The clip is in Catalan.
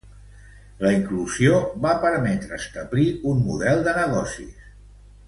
La inclusió de Madrid va permetre establir un model de negocis.